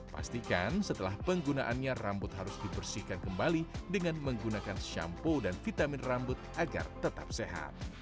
pastikan setelah penggunaannya rambut harus dibersihkan kembali dengan menggunakan shampoo dan vitamin rambut agar tetap sehat